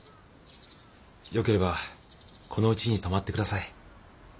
よければこのうちに泊まって下さい。